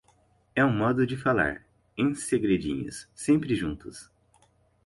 É um modo de falar. Em segredinhos, sempre juntos.